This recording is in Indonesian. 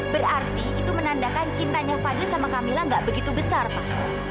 berarti itu menandakan cintanya fadli sama kamila gak begitu besar pak